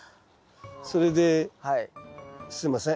それですいません。